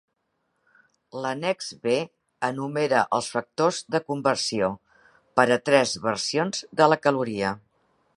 L"annex B enumera els factors de conversió per a tres versions de la caloria.